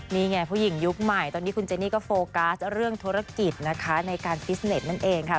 นี่ไงผู้หญิงยุคใหม่ตอนนี้คุณเจนี่ก็โฟกัสเรื่องธุรกิจนะคะในการฟิสเน็ตนั่นเองค่ะ